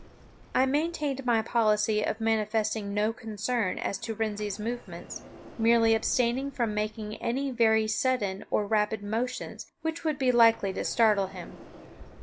I maintained my policy of manifesting no concern as to Wrensie's movements, merely abstaining from making any very sudden or rapid motions which would be likely to startle him.